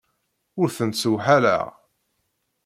Ur tent-ssewḥaleɣ.